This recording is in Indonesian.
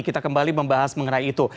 kita kembali membahas mengenai itu